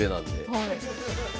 はい。